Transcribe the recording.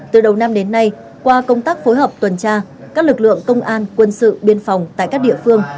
từ đầu năm đến nay qua công tác phối hợp tuần tra các lực lượng công an quân sự biên phòng tại các địa phương